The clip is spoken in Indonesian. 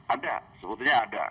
ada sebetulnya ada